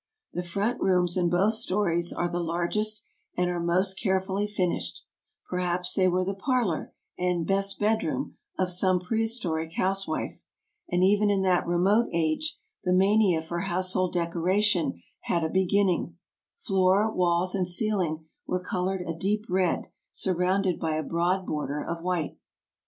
The front rooms in both stories are the largest and are most carefully finished. Perhaps they were the parlor and " best bedroom '' of some prehistoric housewife. They are plas tered throughout with fine, smooth mortar, and even in that remote age the mania for household decoration had a be ginning ; floor, walls, and ceiling were colored a deep red, surrounded by a broad border of white.